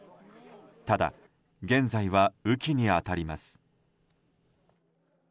ただ、現在は雨季に当たります。